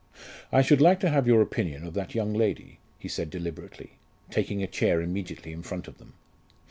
"I should like to have your opinion of that young lady," he said deliberately, taking a chair immediately in front of them.